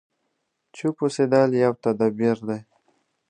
چوپ اوسېدل يو تدبير دی.